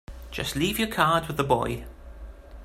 Just leave your card with the boy.